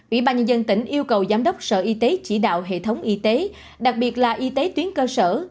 ủy ban nhân dân tỉnh yêu cầu giám đốc sở y tế chỉ đạo hệ thống y tế đặc biệt là y tế tuyến cơ sở